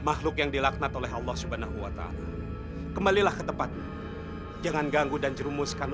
makhluk yang dilaknat oleh allah swt kembalilah ke tempat jangan ganggu dan jerumuskan